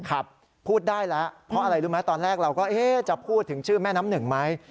พูดได้แล้วเพราะอะไรรู้ไหมตอนแรกเราก็เอ๊ะจะพูดถึงชื่อแม่น้ำหนึ่งไหม